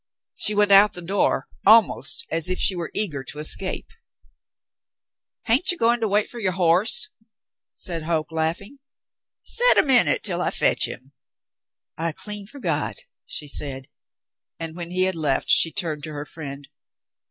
She went out the door almost as if she were eager to escape. 178 The Mountain Girl "Hain't ye goin* to wait fer yer horse?" said Hoke, laughing. *'Set a minute till I fetch him." *'I clean forgot," she said, and when he had left, she turned to her friend.